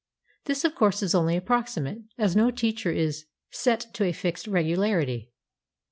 This of course is only approximate, as no teacher is boimd to a fixed regularity.